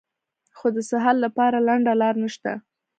خو د صحت له پاره لنډه لار نشته -